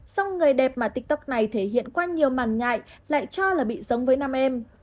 song người đẹp mà tiktok này thể hiện qua nhiều màn nhại lại cho là bị giống với nam em